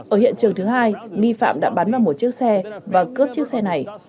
ở hiện trường thứ hai nghi phạm đã bắn vào một chiếc xe và cướp chiếc xe này